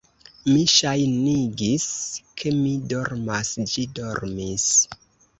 Mi ŝajnigis, ke mi dormas; ĝi dormis.